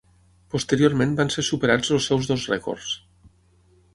Posteriorment van ser superats els seus dos rècords.